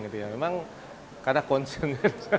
memang karena konsen